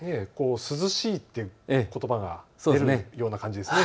涼しいってことばが出るような感じですね。